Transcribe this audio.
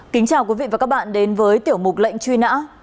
kính chào quý vị và các bạn đến với tiểu mục lệnh truy nã